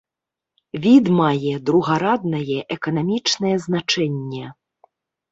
Від мае другараднае эканамічнае значэнне.